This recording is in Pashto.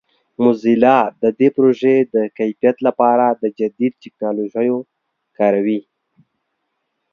موزیلا د دې پروژې د کیفیت لپاره د جدید ټکنالوژیو کاروي.